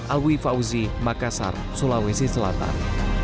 alwi fauzi makassar sulawesi selatan